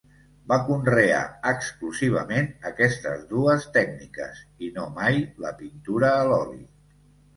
Va conrear exclusivament aquestes dues tècniques, i no mai la pintura a l'oli.